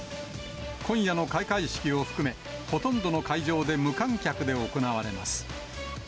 今夜の開会式を含め、ほとんどの会場で無観客で行われます。